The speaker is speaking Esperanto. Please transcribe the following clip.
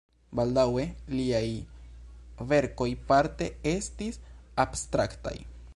Baldaŭe liaj verkoj parte estis abstraktaj.